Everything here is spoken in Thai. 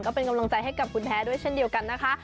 ก็เป็นกำลังใจให้กับคุณแพ้ด้วยเช่นเดียวกันนะคะ